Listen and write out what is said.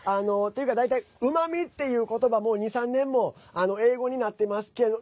大体、うまみっていうことばもう２３年も英語になってますけど